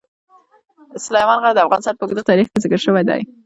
سلیمان غر د افغانستان په اوږده تاریخ کې ذکر شوی دی.